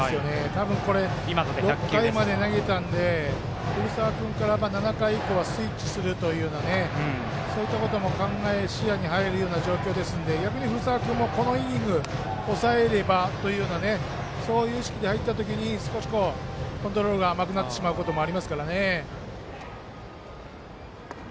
多分、６回まで投げたんで古澤君から７回以降はスイッチするというそういったことも視野に入る状況ですので、逆に古澤君はイニングを抑えればというようなそういう意識が出た時に少しコントロールが甘くなってしまうこともありますから。